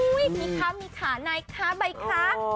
อุ้ยมีค่ะมีค่ะนายค่ะใบค่ะ